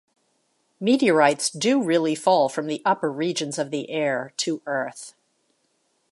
Meteorites do really fall from the upper regions of the air to earth.